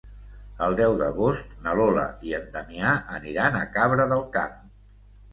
El deu d'agost na Lola i en Damià aniran a Cabra del Camp.